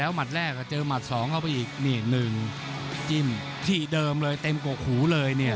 แล้วหมัดแรกเจอหมัด๒เข้าไปอีกนี่๑จิ้มที่เดิมเลยเต็มกว่าขูเลยเนี่ย